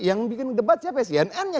yang bikin debat siapa cnnnya